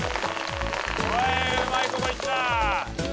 うまいこといった！